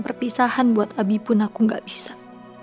perpisahan buat abi pun aku gak bisa